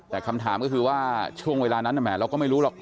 แต่คำถามก็คือว่าช่วงเวลานั้นแหมเราก็ไม่รู้หรอก